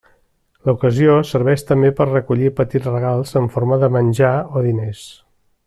L'ocasió serveix també per recollir petits regals en forma de menjar o diners.